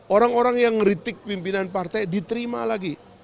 orang orang yang ngeritik pimpinan partai diterima lagi